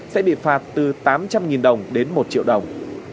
sẽ bị phạt từ tám trăm linh đồng đến một triệu đồng